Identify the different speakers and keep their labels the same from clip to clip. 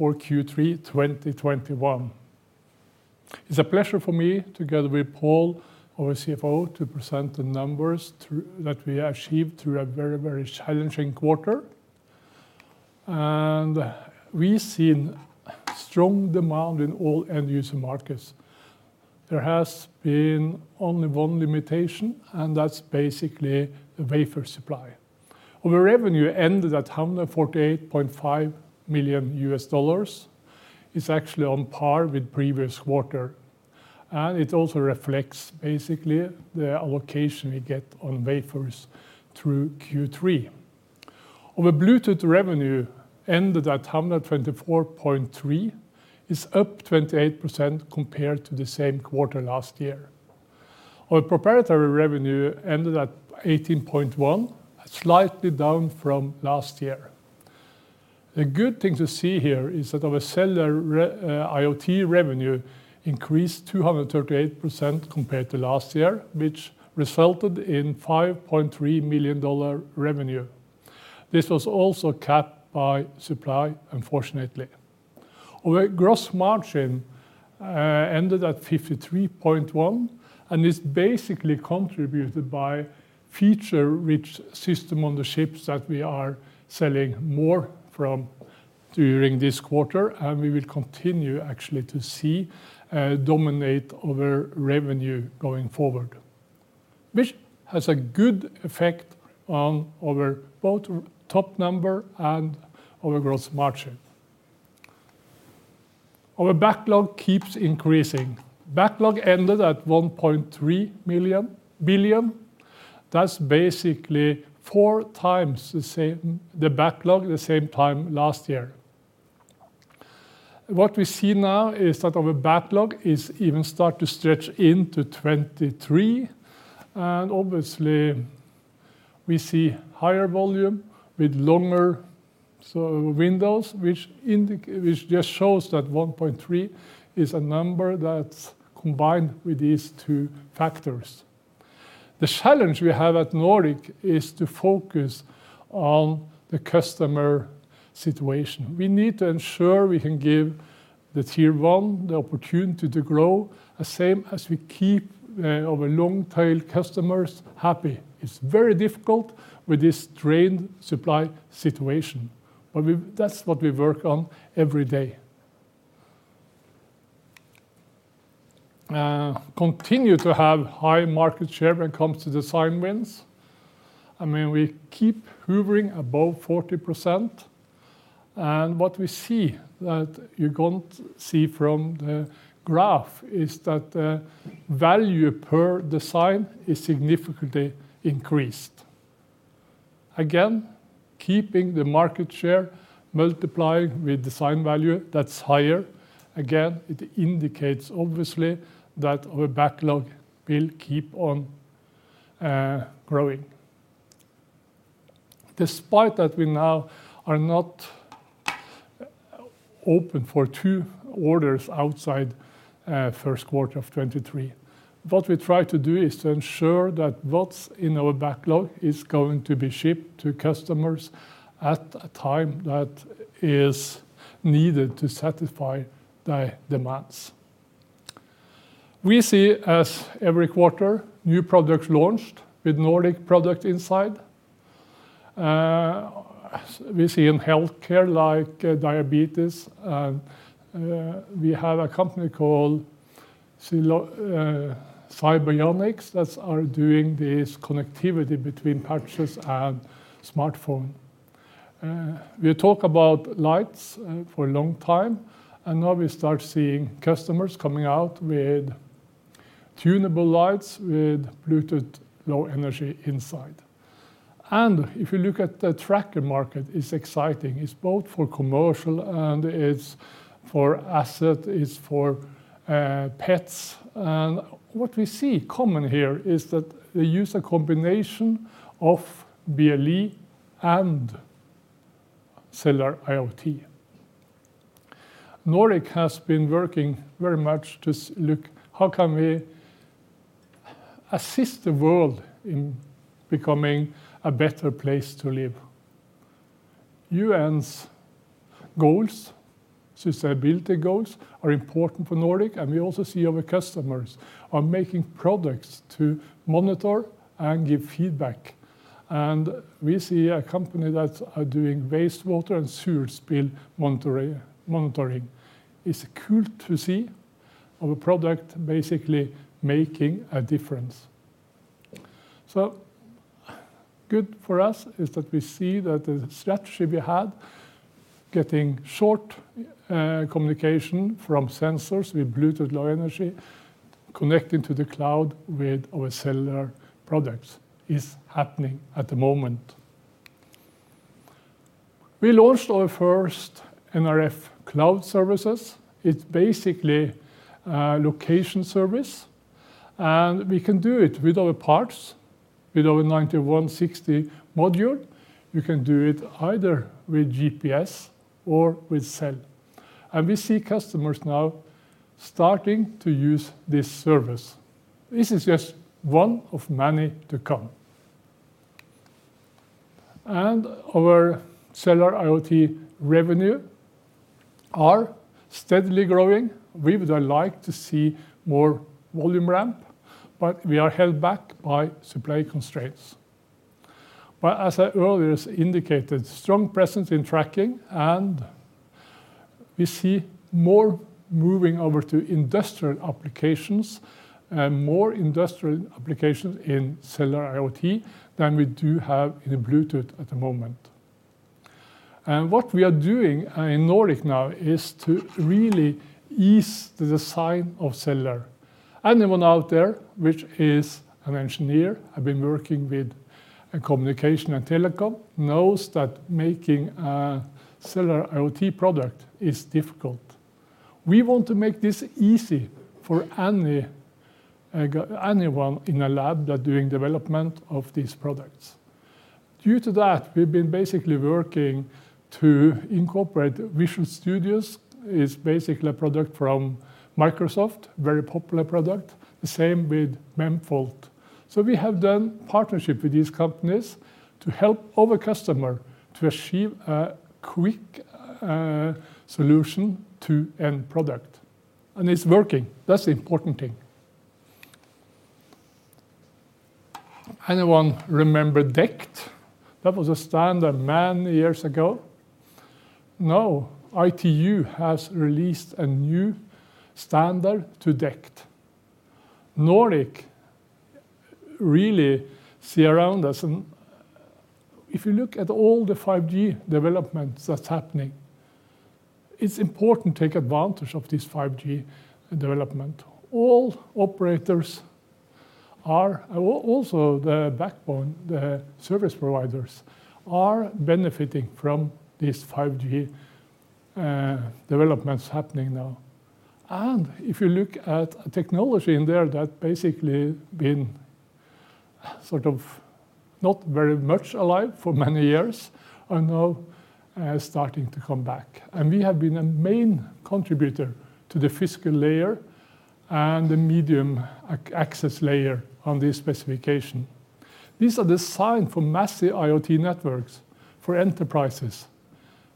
Speaker 1: For Q3 2021. It's a pleasure for me, together with Pål, our CFO, to present the numbers that we achieved through a very challenging quarter. We've seen strong demand in all end-user markets. There has been only one limitation, and that's basically the wafer supply. Our revenue ended at $148.5 million. It's actually on par with previous quarter, and it also reflects basically the allocation we get on wafers through Q3. Our Bluetooth revenue ended at $124.3 million, is up 28% compared to the same quarter last year. Our proprietary revenue ended at $18.1 million, slightly down from last year. A good thing to see here is that our Cellular IoT revenue increased 238% compared to last year, which resulted in $5.3 million revenue. This was also capped by supply, unfortunately. Our gross margin ended at 53.1%, is basically contributed by feature-rich system on the chips that we are selling more from during this quarter. We will continue actually to see dominate our revenue going forward, which has a good effect on our both top number and our gross margin. Our backlog keeps increasing. Backlog ended at $1.3 billion. That's basically 4x the backlog the same time last year. What we see now is that our backlog is even start to stretch into 2023. Obviously, we see higher volume with longer windows, which just shows that 1.3x is a number that's combined with these two factors. The challenge we have at Nordic is to focus on the customer situation. We need to ensure we can give the Tier 1 the opportunity to grow, the same as we keep our long-tail customers happy. It's very difficult with this strained supply situation. That's what we work on every day. Continue to have high market share when it comes to design wins. We keep hovering above 40%. What we see that you can't see from the graph is that the value per design is significantly increased. Again, keeping the market share, multiplying with design value that's higher. Again, it indicates obviously that our backlog will keep on growing. Despite that we now are not open for too orders outside first quarter of 2023. What we try to do is to ensure that what's in our backlog is going to be shipped to customers at a time that is needed to satisfy their demands. We see, as every quarter, new products launched with Nordic product inside. We see in healthcare like diabetes. We have a company called SiBionics that are doing this connectivity between patches and smartphone. We talk about lights for a long time. Now we start seeing customers coming out with tunable lights, with Bluetooth Low Energy inside. If you look at the tracker market, it's exciting. It's both for commercial and it's for asset, it's for pets. What we see common here is that they use a combination of BLE and Cellular IoT. Nordic has been working very much to look how can we assist the world in becoming a better place to live. UN's goals, sustainability goals, are important for Nordic. We also see our customers are making products to monitor and give feedback. We see a company that are doing wastewater and sewer spill monitoring. It's cool to see our product basically making a difference. Good for us is that we see that the strategy we had, getting short communication from sensors with Bluetooth Low Energy, connecting to the cloud with our cellular products, is happening at the moment. We launched our first nRF Cloud Services. It's basically a location service, and we can do it with our parts, with our 9160 module. You can do it either with GPS or with cell. We see customers now starting to use this service. This is just one of many to come. Our Cellular IoT revenue are steadily growing. We would like to see more volume ramp, but we are held back by supply constraints. As I earlier indicated, strong presence in tracking, and we see more moving over to industrial applications and more industrial applications in Cellular IoT than we do have in Bluetooth at the moment. What we are doing in Nordic now is to really ease the design of cellular. Anyone out there, which is an engineer, have been working with communication and telecom, knows that making a Cellular IoT product is difficult. We want to make this easy for anyone in a lab that are doing development of these products. Due to that, we've been basically working to incorporate Visual Studios. It's basically a product from Microsoft, very popular product. The same with Memfault. We have done partnership with these companies to help other customer to achieve a quick solution to end product, and it's working. That's the important thing. Anyone remember DECT? That was a standard many years ago. ITU has released a new standard to DECT. Nordic really see around us. If you look at all the 5G developments that's happening, it's important to take advantage of this 5G development. All operators are, also the backbone, the service providers, are benefiting from this 5G developments happening now. If you look at technology in there, that basically has been not very much alive for many years are now starting to come back. We have been a main contributor to the physical layer and the medium access layer on this specification. These are designed for massive IoT networks for enterprises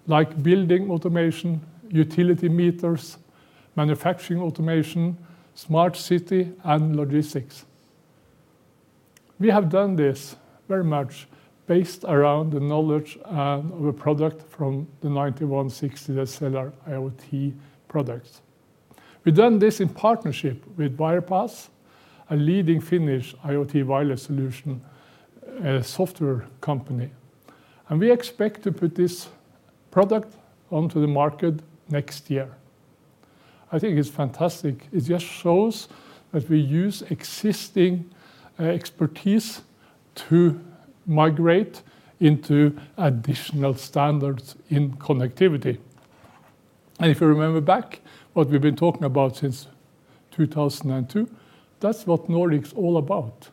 Speaker 1: like building automation, utility meters, manufacturing automation, smart city, and logistics. We have done this very much based around the knowledge and of a product from the nRF9160, the cellular IoT product. We've done this in partnership with Wirepas, a leading Finnish IoT wireless solution software company. We expect to put this product onto the market next year. I think it's fantastic. It just shows that we use existing expertise to migrate into additional standards in connectivity. If you remember back what we've been talking about since 2002, that's what Nordic's all about,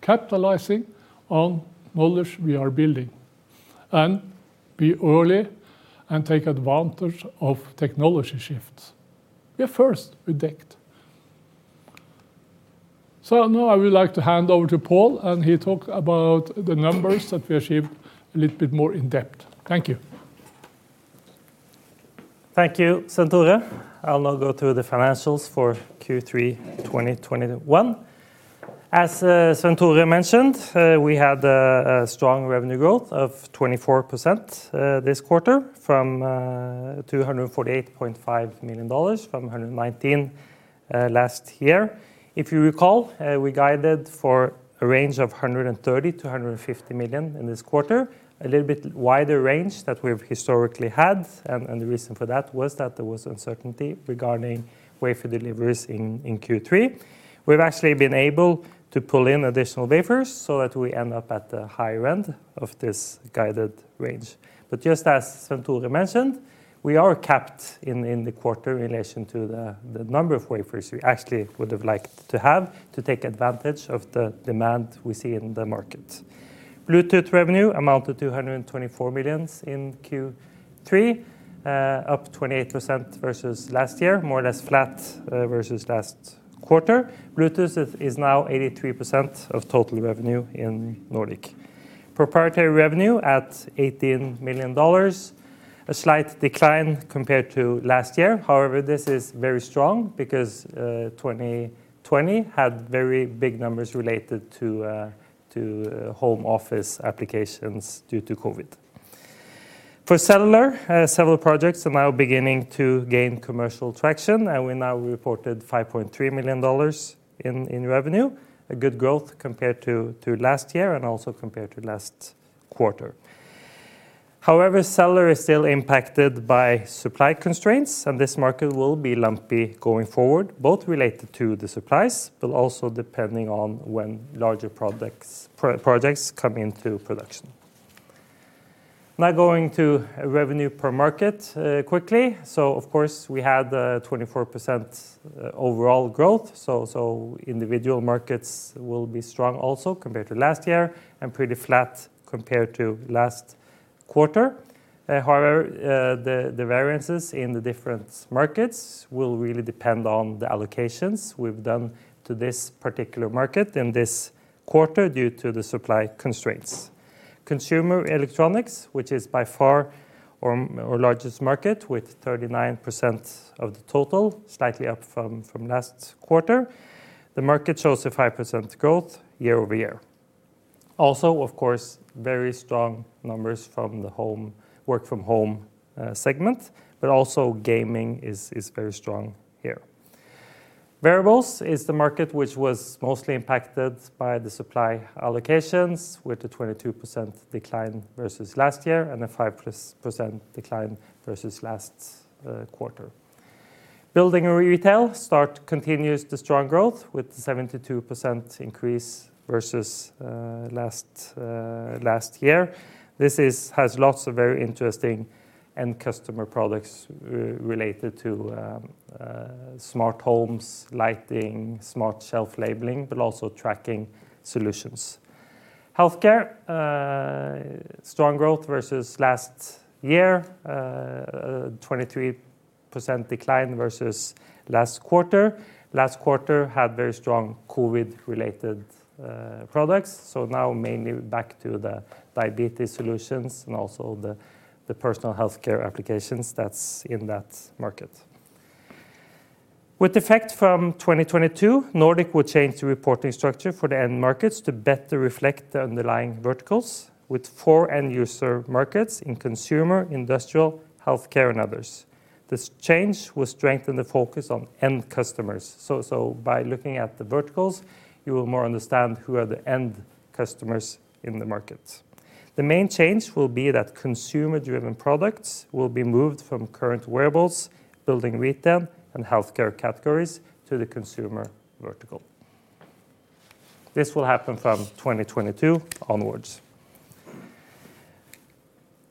Speaker 1: capitalizing on knowledge we are building and be early and take advantage of technology shifts. We are first with DECT. Now I would like to hand over to Pål, and he talk about the numbers that we achieved a little bit more in depth. Thank you.
Speaker 2: Thank you, Svenn-Tore. I'll now go through the financials for Q3 2021. As Svenn-Tore mentioned, we had a strong revenue growth of 24% this quarter from $248.5 million from $119 million last year. If you recall, we guided for a range of $130 million-$150 million in this quarter, a little bit wider range than we've historically had. The reason for that was that there was uncertainty regarding wafer deliveries in Q3. We've actually been able to pull in additional wafers so that we end up at the higher end of this guided range. Just as Svenn-Tore mentioned, we are capped in the quarter in relation to the number of wafers we actually would have liked to have to take advantage of the demand we see in the market. Bluetooth revenue amounted to $124 million in Q3, up 28% versus last year, more or less flat versus last quarter. Bluetooth is now 83% of total revenue in Nordic. Proprietary revenue at $18 million, a slight decline compared to last year. However, this is very strong because 2020 had very big numbers related to home office applications due to COVID. For cellular, several projects are now beginning to gain commercial traction, and we now reported $5.3 million in revenue, a good growth compared to last year and also compared to last quarter. However, cellular is still impacted by supply constraints, and this market will be lumpy going forward, both related to the supplies, but also depending on when larger projects come into production. Now going to revenue per market quickly. Of course we had the 24% overall growth, individual markets will be strong also compared to last year and pretty flat compared to last quarter. However, the variances in the different markets will really depend on the allocations we've done to this particular market in this quarter due to the supply constraints. Consumer electronics, which is by far our largest market with 39% of the total, slightly up from last quarter. The market shows a 5% growth year-over-year. Of course, very strong numbers from the work-from-home segment, but also gaming is very strong here. Wearables is the market which was mostly impacted by the supply allocations, with a 22% decline versus last year and a 5% decline versus last quarter. Building and retail continues the strong growth with a 72% increase versus last year. This has lots of very interesting end customer products related to smart homes, lighting, smart shelf labeling, but also tracking solutions. Healthcare, strong growth versus last year. A 23% decline versus last quarter. Last quarter had very strong COVID-related products. Now mainly back to the diabetes solutions and also the personal healthcare applications that's in that market. With effect from 2022, Nordic will change the reporting structure for the end markets to better reflect the underlying verticals with four end-user markets in consumer, industrial, healthcare, and others. This change will strengthen the focus on end customers. By looking at the verticals, you will more understand who are the end customers in the market. The main change will be that consumer-driven products will be moved from current wearables, building and retail, and healthcare categories to the consumer vertical. This will happen from 2022 onwards.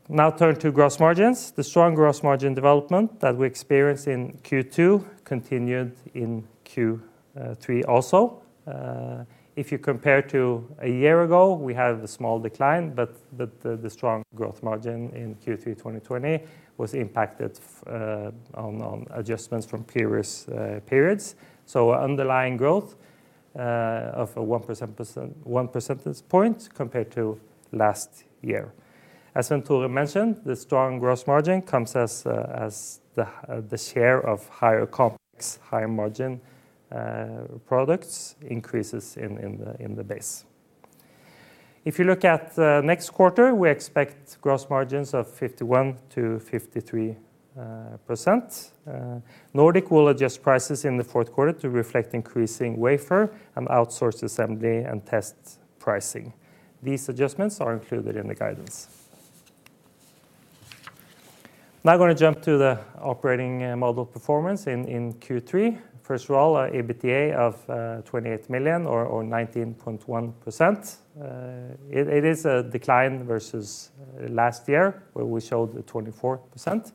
Speaker 2: Now turn to gross margins. The strong gross margin development that we experienced in Q2 continued in Q3 also. If you compare to a year ago, we have a small decline, but the strong gross margin in Q3 2020 was impacted on adjustments from previous periods. Underlying growth of a 1 percentage point compared to last year. As mentioned, the strong gross margin comes as the share of higher complex, higher margin products increases in the base. If you look at the next quarter, we expect gross margins of 51%-53%. Nordic will adjust prices in the fourth quarter to reflect increasing wafer and outsourced assembly and test pricing. These adjustments are included in the guidance. Now I'm going to jump to the operating model performance in Q3. First of all, our EBITDA of $28 million, or 19.1%. It is a decline versus last year, where we showed 24%.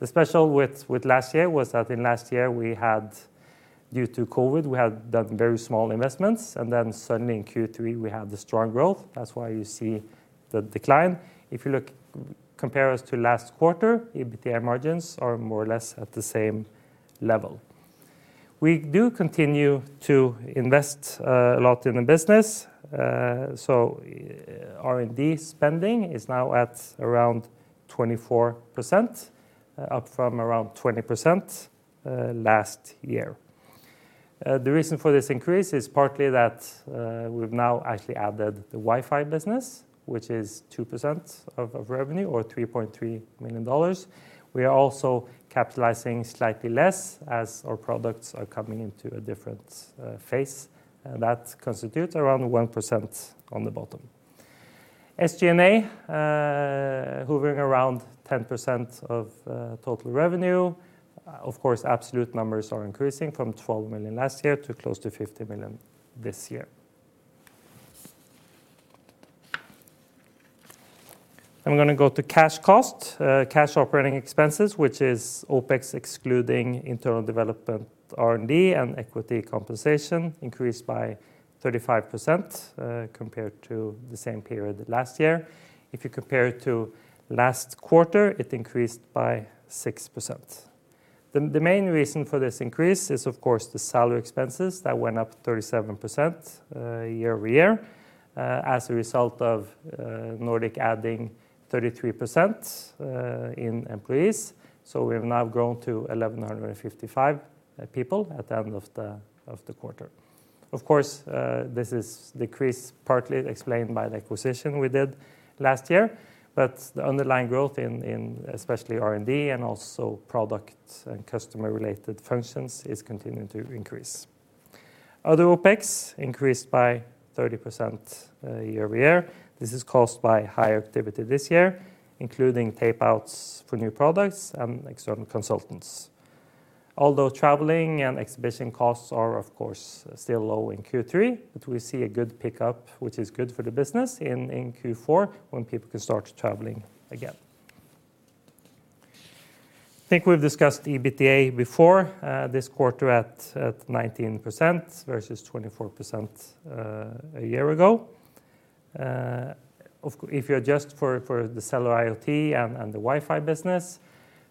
Speaker 2: The special with last year was that in last year, due to COVID, we had done very small investments, and then suddenly in Q3, we had the strong growth. That's why you see the decline. If you compare us to last quarter, EBITDA margins are more or less at the same level. We do continue to invest a lot in the business. R&D spending is now at around 24%, up from around 20% last year. The reason for this increase is partly that we've now actually added the Wi-Fi business, which is 2% of revenue or $3.3 million. We are also capitalizing slightly less as our products are coming into a different phase. That constitutes around 1% on the bottom. SG&A, hovering around 10% of total revenue. Of course, absolute numbers are increasing from $12 million last year to close to $50 million this year. I'm going to go to cash cost. Cash operating expenses, which is OpEx excluding internal development R&D and equity compensation, increased by 35% compared to the same period last year. If you compare it to last quarter, it increased by 6%. The main reason for this increase is, of course, the salary expenses that went up 37% year-over-year as a result of Nordic adding 33% in employees. We have now grown to 1,155 people at the end of the quarter. Of course, this is decreased partly explained by the acquisition we did last year, the underlying growth in especially R&D and also product and customer-related functions is continuing to increase. Other OpEx increased by 30% year-over-year. This is caused by higher activity this year, including tape-outs for new products and external consultants. Traveling and exhibition costs are, of course, still low in Q3, but we see a good pickup, which is good for the business in Q4 when people can start traveling again. I think we've discussed EBITDA before this quarter at 19% versus 24% a year ago. If you adjust for the Cellular IoT and the Wi-Fi business,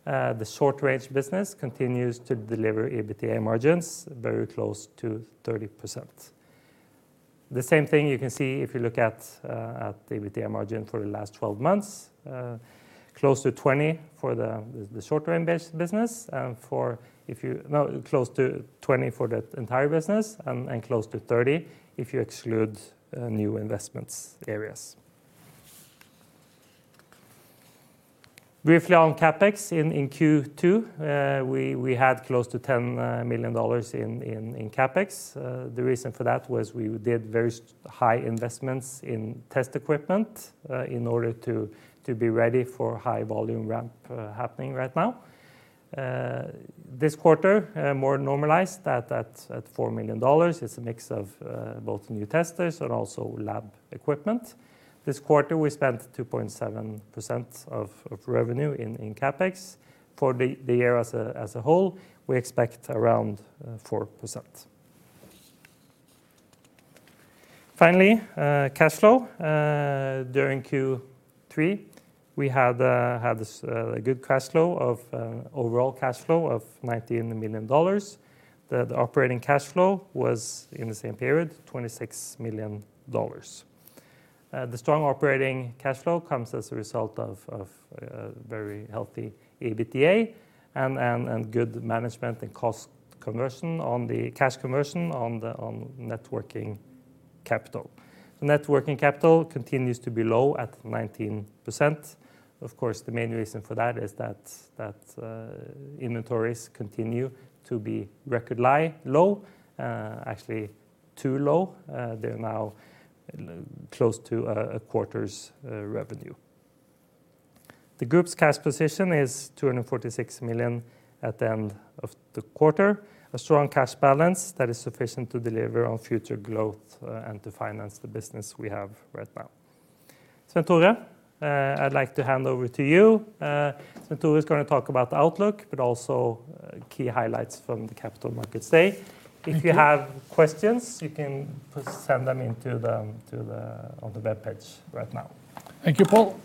Speaker 2: the short-range business continues to deliver EBITDA margins very close to 30%. The same thing you can see if you look at the EBITDA margin for the last 12 months, close to 20% for the short-range business. No, close to 20% for that entire business and close to 30% if you exclude new investments areas. Briefly on CapEx in Q2, we had close to $10 million in CapEx. The reason for that was we did very high investments in test equipment in order to be ready for high volume ramp happening right now. This quarter, more normalized at $4 million. It's a mix of both new testers and also lab equipment. This quarter, we spent 2.7% of revenue in CapEx. For the year as a whole, we expect around 4%. Finally, cash flow. During Q3, we had a good overall cash flow of $19 million. The operating cash flow was, in the same period, $26 million. The strong operating cash flow comes as a result of very healthy EBITDA and good management and cost conversion on the cash conversion on the networking capital. The networking capital continues to be low at 19%. Of course, the main reason for that is that inventories continue to be record low. Actually too low. They're now close to a quarter's revenue. The group's cash position is $246 million at the end of the quarter. A strong cash balance that is sufficient to deliver on future growth and to finance the business we have right now. Svenn-Tore, I'd like to hand over to you. Svenn-Tore is going to talk about the outlook, but also key highlights from the Capital Markets Day. If you have questions, you can send them on the webpage right now.
Speaker 1: Thank you, Pål.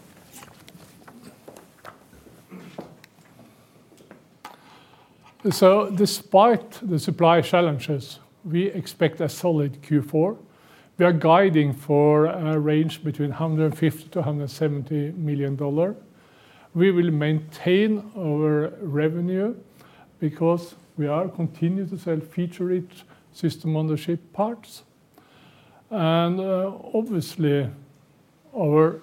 Speaker 1: Despite the supply challenges, we expect a solid Q4. We are guiding for a range between $150 million-$170 million. We will maintain our revenue because we are continuing to sell feature-rich system-on-chip parts. Obviously our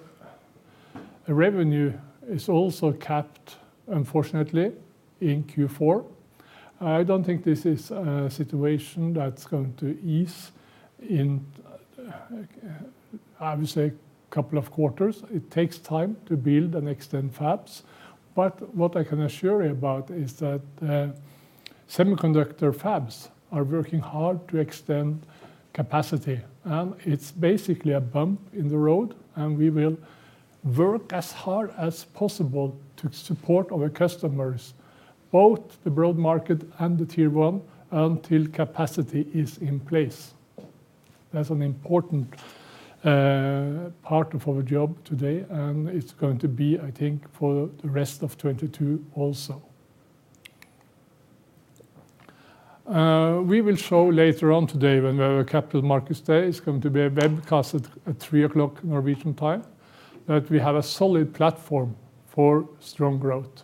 Speaker 1: revenue is also capped, unfortunately, in Q4. I don't think this is a situation that's going to ease in, obviously, a couple of quarters. It takes time to build and extend fabs. What I can assure you about is that semiconductor fabs are working hard to extend capacity, and it's basically a bump in the road, and we will work as hard as possible to support our customers, both the broad market and the Tier 1, until capacity is in place. That's an important part of our job today, and it's going to be, I think, for the rest of 2022 also. We will show later on today when our Capital Markets Day is going to be a webcast at 3:00 P.M. Norwegian time, that we have a solid platform for strong growth.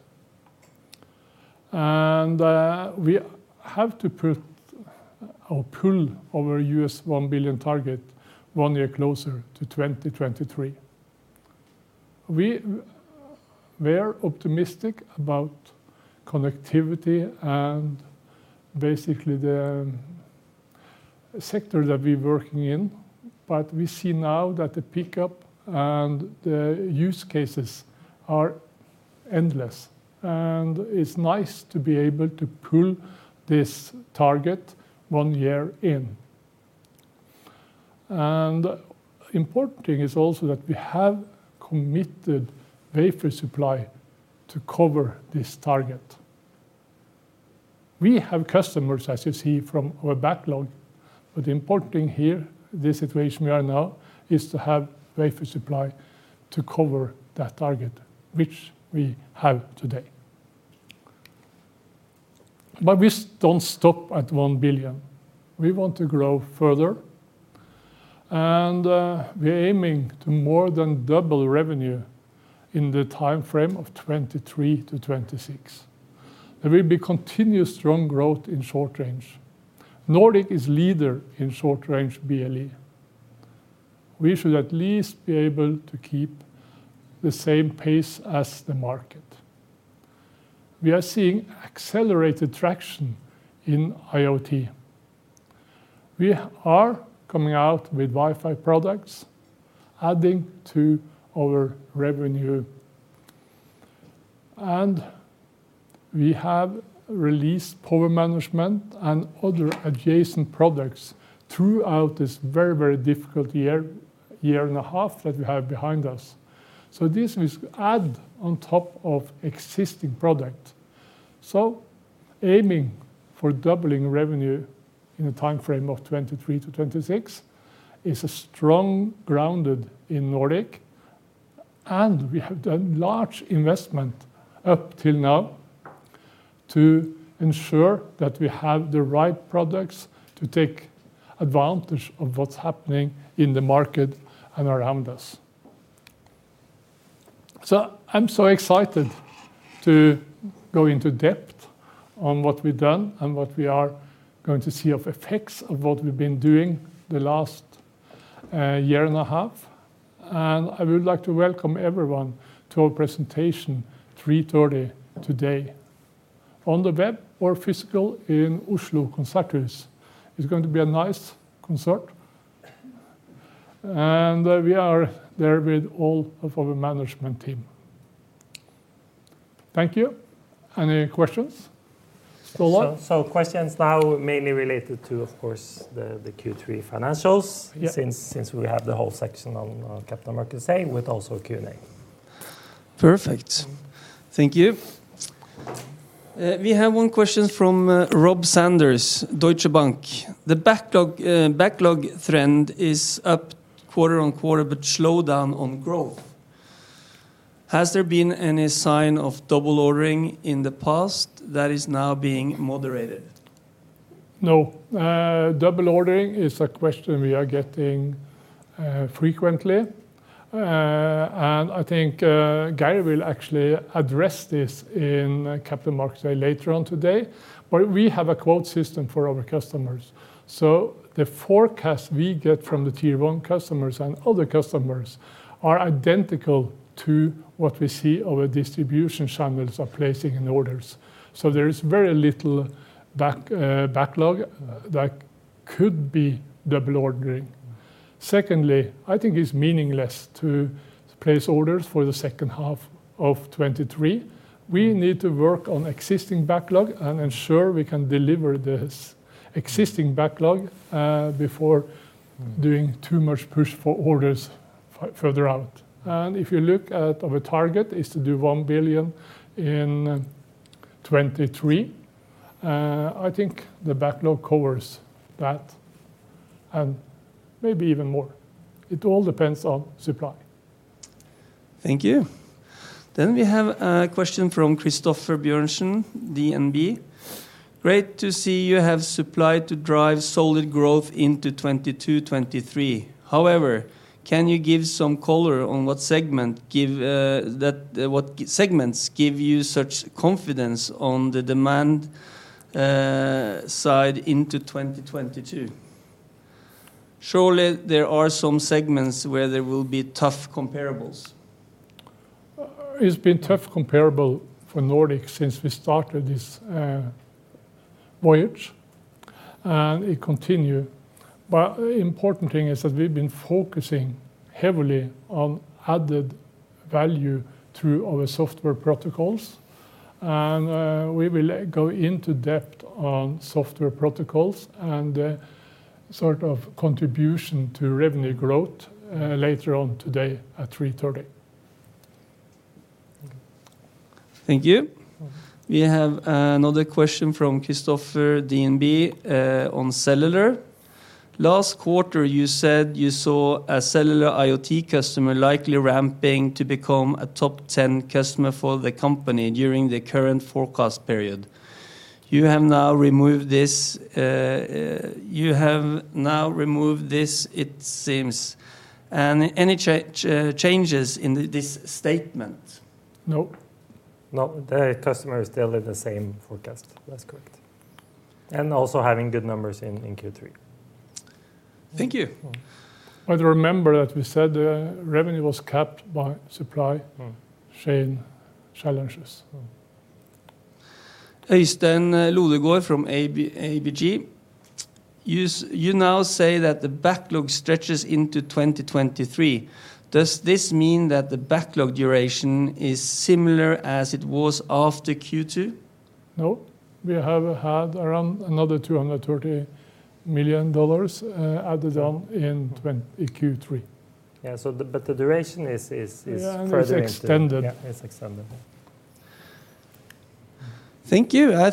Speaker 1: We have to pull our $1 billion target one year closer to 2023. We're optimistic about connectivity and basically the sector that we're working in, but we see now that the pickup and the use cases are endless. It's nice to be able to pull this target one year in. Important thing is also that we have committed wafer supply to cover this target. We have customers, as you see from our backlog, the important thing here, the situation we are now, is to have wafer supply to cover that target, which we have today. We don't stop at $1 billion. We want to grow further. We're aiming to more than double revenue in the time frame of 2023-2026. There will be continuous strong growth in short range. Nordic is leader in short-range BLE. We should at least be able to keep the same pace as the market. We are seeing accelerated traction in IoT. We are coming out with Wi-Fi products adding to our revenue. We have released power management and other adjacent products throughout this very, very difficult year and a half that we have behind us. This was added on top of existing product. Aiming for doubling revenue in a timeframe of 2023-2026 is a strong grounded in Nordic. We have done large investment up till now to ensure that we have the right products to take advantage of what's happening in the market and around us. I'm so excited to go into depth on what we've done and what we are going to see of effects of what we've been doing the last 1.5 year, and I would like to welcome everyone to our presentation, 3:30 P.M. today on the web or physical in Oslo Konserthus. It's going to be a nice concert, and we are there with all of our management team. Thank you. Any questions? Ståle?
Speaker 2: Questions now mainly related to, of course, the Q3 financials since we have the whole section on Capital Markets Day with also Q&A.
Speaker 3: Perfect. Thank you. We have one question from Rob Sanders, Deutsche Bank. The backlog trend is up quarter-over-quarter but slowed down on growth. Has there been any sign of double ordering in the past that is now being moderated?
Speaker 1: Double ordering is a question we are getting frequently, and I think Gary will actually address this in Capital Markets Day later on today. We have a quote system for our customers, so the forecast we get from the Tier 1 customers and other customers are identical to what we see our distribution channels are placing in orders. There is very little backlog that could be double ordering. Secondly, I think it's meaningless to place orders for the second half of 2023. We need to work on existing backlog and ensure we can deliver this existing backlog, before doing too much push for orders further out. If you look at our target is to do $1 billion in 2023, I think the backlog covers that, and maybe even more. It all depends on supply.
Speaker 3: Thank you. We have a question from Christoffer Bjørnsen, DNB. Great to see you have supply to drive solid growth into 2022, 2023. Can you give some color on what segments give you such confidence on the demand side into 2022? Surely there are some segments where there will be tough comparables.
Speaker 1: It's been tough comparable for Nordic since we started this voyage, and it continue. Important thing is that we've been focusing heavily on added value through our software protocols, and we will go into depth on software protocols and sort of contribution to revenue growth later on today at 3:30.
Speaker 3: Thank you. We have another question from Christoffer, DNB, on Cellular IoT. Last quarter, you said you saw a Cellular IoT customer likely ramping to become a top 10 customer for the company during the current forecast period. You have now removed this, it seems. Any changes in this statement?
Speaker 1: No.
Speaker 2: No. The customer is still in the same forecast. That's correct. Also having good numbers in Q3.
Speaker 3: Thank you.
Speaker 1: Remember that we said the revenue was capped by supply chain challenges.
Speaker 3: Øystein Lodgaard from ABG. You now say that the backlog stretches into 2023. Does this mean that the backlog duration is similar as it was after Q2?
Speaker 1: No. We have had around another $230 million added on in Q3.
Speaker 2: Yeah. The duration is further into.
Speaker 1: Yeah, it is extended.
Speaker 2: Yeah, it's extended.
Speaker 3: Thank you. I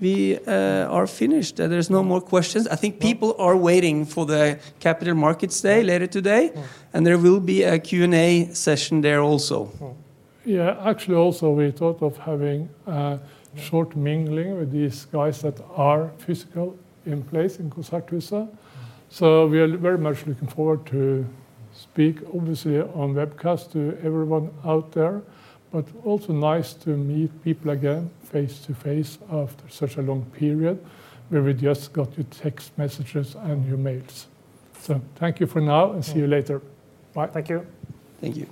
Speaker 3: think we are finished. There's no more questions. I think people are waiting for the Capital Markets Day later today, and there will be a Q&A session there also.
Speaker 1: Yeah. Actually, also we thought of having a short mingling with these guys that are physical in place in Oslo Konserthus. We are very much looking forward to speak, obviously, on webcast to everyone out there, but also nice to meet people again face to face after such a long period where we just got your text messages and your mails. Thank you for now, and see you later. Bye.
Speaker 2: Thank you.
Speaker 3: Thank you.